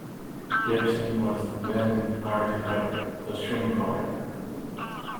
Gipson was then hired to write the screenplay.